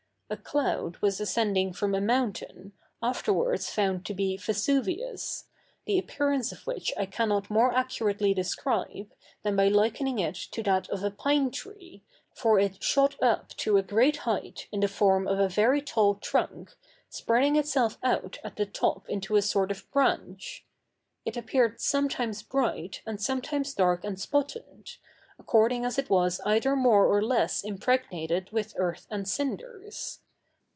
A cloud was ascending from a mountain, afterwards found to be Vesuvius, the appearance of which I cannot more accurately describe than by likening it to that of a pine tree, for it shot up to a great height in the form of a very tall trunk, spreading itself out at the top into a sort of branch. It appeared sometimes bright and sometimes dark and spotted, according as it was either more or less impregnated with earth and cinders.